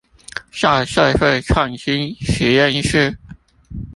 在社會創新實驗室